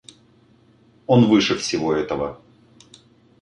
Он выше всего этого.